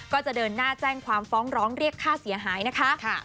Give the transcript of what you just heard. ก็จะเดินหน้าแจ้งความฟ้องร้องเรียกค่าเสียหายนะคะ